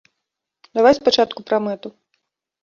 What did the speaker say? Давай спачатку пра мэту!